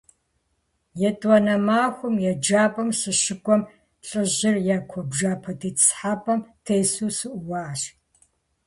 ЕтӀуанэ махуэм еджапӏэм сыщыкӀуэм, лӀыжьыр я куэбжэпэ тетӀысхьэпӀэм тесу сыӀууащ.